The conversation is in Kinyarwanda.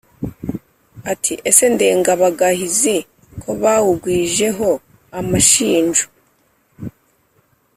ati: ese ndengabagahizi ko bawugwijeho amashinjo,